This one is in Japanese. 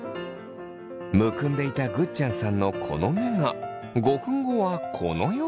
むくんでいたぐっちゃんさんのこの目が５分後はこのように。